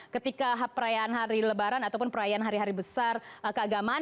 ketika perayaan hari lebaran ataupun perayaan hari hari besar keagamaan